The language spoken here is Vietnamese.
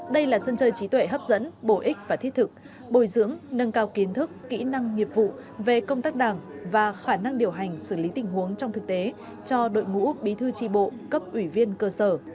đây là sân chơi trí tuệ hấp dẫn bổ ích và thiết thực bồi dưỡng nâng cao kiến thức kỹ năng nghiệp vụ về công tác đảng và khả năng điều hành xử lý tình huống trong thực tế cho đội ngũ bí thư tri bộ cấp ủy viên cơ sở